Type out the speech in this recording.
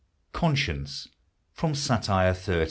CONSCIENCE. FROM SATIRE XIII.